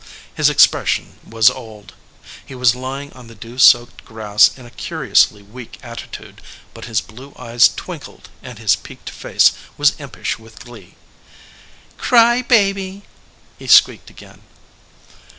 His ex pression was old. He was lying on the dew soaked grass in a curiously weak attitude, but his blue eyes twinkled and his peaked face was impish with glee. "Cry baby!" he squeaked again.